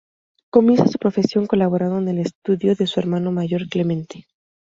Comienza su profesión colaborando en el estudio de su hermano mayor Clemente.